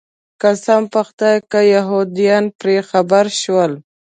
قسم په خدای که یهودان پرې خبر شول.